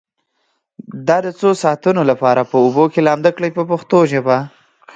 دا د څو ساعتونو لپاره په اوبو کې لامده کړئ په پښتو ژبه.